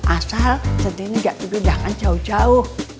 asal centini gak terlidahkan jauh jauh